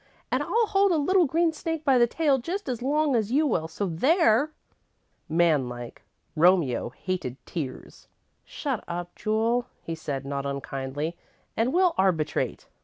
And I'll hold a little green snake by the tail just as long as you will, so there!" Man like, Romeo hated tears. "Shut up, Jule," he said, not unkindly, "and we'll arbitrate."